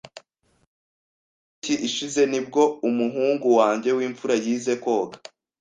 Mu mpeshyi ishize ni bwo umuhungu wanjye w'imfura yize koga.